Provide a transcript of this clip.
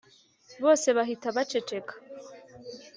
bose bahita bacecekeka